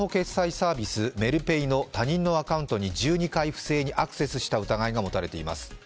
サービスメルペイの他人のアカウントに１２回不正にアクセスした疑いが持たれています。